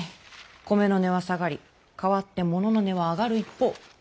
米の値は下がり代わって物の値は上がる一方。